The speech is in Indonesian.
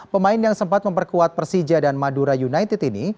pemain yang sempat memperkuat persija dan madura united ini